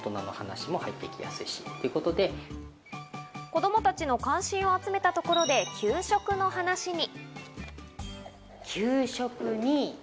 子供たちの関心を集めたところで給食の話に。